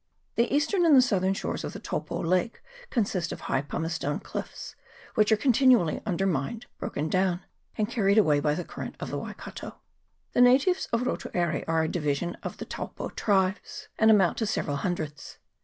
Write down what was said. The eastern and the southern shores of the Taupo lake consist of high pumice stone cliffs, which are continually undermined, broken down, and carried away by the current of the Waikato. The natives of Rotu Aire are a division of the Taupo tribes, and amount to several hundreds.